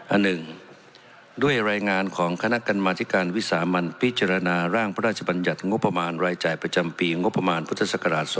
อันหนึ่งด้วยรายงานของคณะกรรมธิการวิสามันพิจารณาร่างพระราชบัญญัติงบประมาณรายจ่ายประจำปีงบประมาณพุทธศักราช๒๕๖